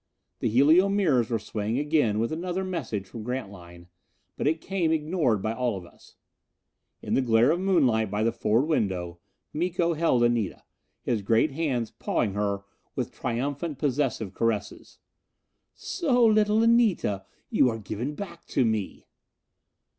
The helio mirrors were swaying again with another message from Grantline. But it came ignored by us all. In the glare of moonlight by the forward window, Miko held Anita, his great hands pawing her with triumphant possessive caresses. "So, little Anita, you are given back to me."